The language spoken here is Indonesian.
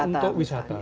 bisa untuk wisata